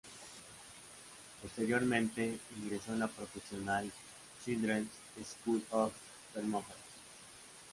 Posteriormente ingresó en la "Professional Children's School of perfomance".